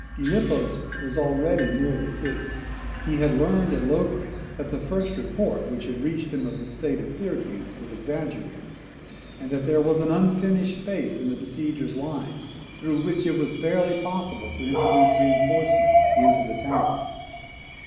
Gylippus was already near the city. He had learned at Locri that the first report which had reached him of the state of Syracuse was exaggerated; and that there was an unfinished space in the besiegers' lines through which it was barely possible to introduce reinforcements into the town.